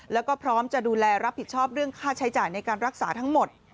แล้วก็พร้อมจะดูแลรับผิดชอบเรื่องค่าใช้จ่ายในการรักษาทั้งหมด